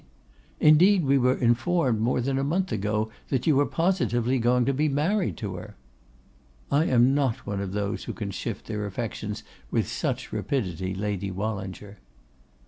'Indeed, we were informed more than a month ago that you were positively going to be married to her.' 'I am not one of those who can shift their affections with such rapidity, Lady Wallinger.